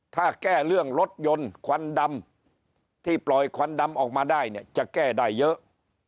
ถ้าแก้เรื่องรถยนต์ควันดำที่ปล่อยควันดำออกมาได้เนี่ยจะแก้ได้เยอะ